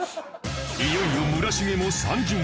いよいよ村重も３巡目